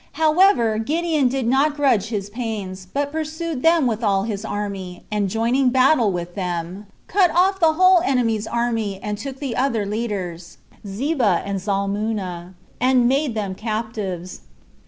However, Gideon did not grudge his pains, but pursued them with all his army, and joining battle with them, cut off the whole enemies' army, and took the other leaders, Zeba and Zalmuna, and made them captives.